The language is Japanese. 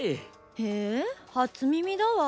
へえ初耳だわ。